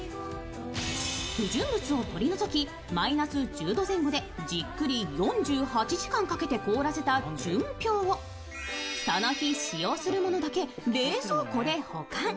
不純物を取り除きマイナス１０度前後でじっくり４８時間かけて凍らせた純氷をその日使用するものだけ冷蔵庫で保管。